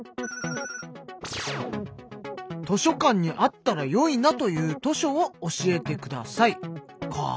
「図書館にあったら、よいなという図書を教えてください！！」か。